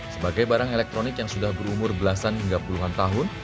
sebagai barang elektronik yang sudah berumur belasan hingga puluhan tahun